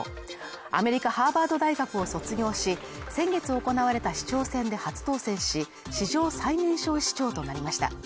アメリカ・ハーバード大学を卒業し、先月行われた市長選で初当選し、史上最年少市長となりました。